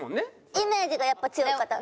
イメージがやっぱ強かった。